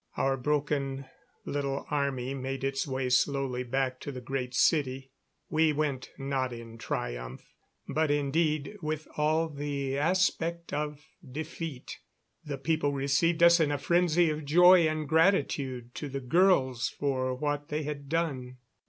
Our broken little army made its way slowly back to the Great City. We went, not in triumph, but indeed with all the aspect of defeat. The people received us in a frenzy of joy and gratitude to the girls for what they had done.